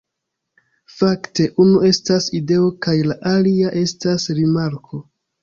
Fakte, unu estas ideo kaj la alia estas rimarko